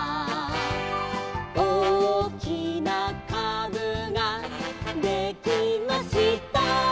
「おおきなかぶができました」